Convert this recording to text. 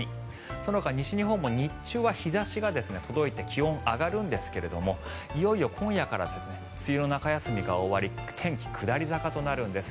そのほか西日本も日中は日差しが届いて気温が上がるんですがいよいよ今夜から梅雨の中休みが終わり天気下り坂となるんです。